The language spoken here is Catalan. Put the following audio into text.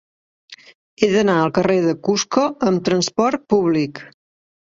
He d'anar al carrer de Cusco amb trasport públic.